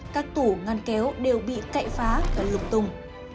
các tủ ngăn kéo đều bị cậy phá và lục tung